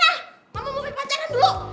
mama mau pik pacaran dulu